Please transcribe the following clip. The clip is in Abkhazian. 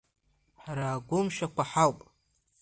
Ҳара агәымшәақәа ҳауп!